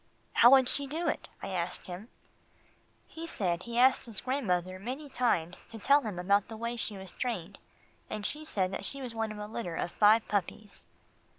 "How would she do it?" I asked him. He said he had asked his grandmother many times to tell him about the way she was trained, and she said that she was one of a litter of five puppies.